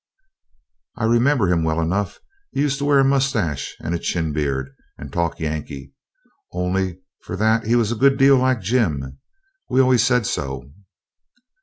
'I remember him well enough; he used to wear a moustache and a chin beard, and talk Yankee. Only for that he was a good deal like Jim; we always said so.'